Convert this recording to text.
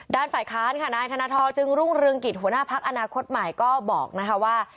ด้านฝ่ายค้านคณะอันธนทรจึงรุงรึงกิจหัวหน้าภักดิ์อนาคตใหม่ก็บอกนะครับว่า